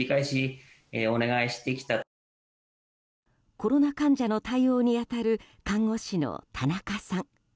コロナ患者の対応に当たる看護師の田中さん。